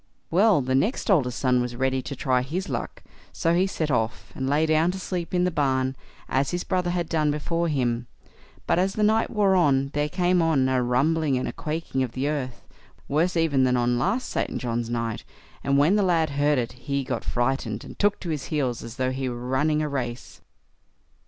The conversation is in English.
Well, the next oldest son was ready to try his luck, so he set off, and lay down to sleep in the barn as his brother had done before him; but as the night wore on, there came on a rumbling and quaking of the earth, worse even than on the last St. John's night, and when the lad heard it, he got frightened, and took to his heels as though he were running a race.